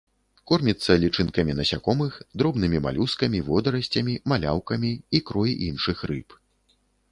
Корміцца лічынкамі насякомых, дробнымі малюскамі, водарасцямі, маляўкамі, ікрой іншых рыб.